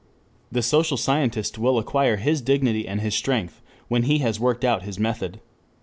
The social scientist will acquire his dignity and his strength when he has worked out his method.